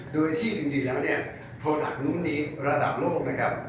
โดยที่มันจริงเลยครับเนี่ยผลข้างนู้นนี้ระดับโลกนะครับ